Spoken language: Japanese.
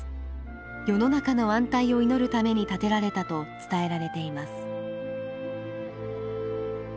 世の中の安泰を祈るために建てられたと伝えられています。